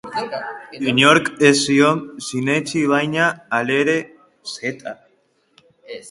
Inork ez zion sinetsi baina, halere, Z.